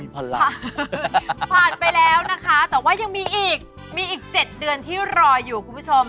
ผ่านไปแล้วนะคะแต่ว่ายังมีอีกมีอีก๗เดือนที่รออยู่คุณผู้ชม